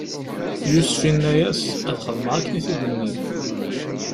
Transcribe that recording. Yusef inna-as: Ad xedmeɣ akken i t-id-tenniḍ.